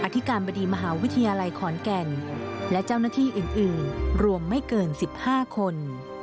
อธิการบดีมหาวิทยาลัยขอนแก่นและเจ้าหน้าที่อื่นรวมไม่เกิน๑๕คน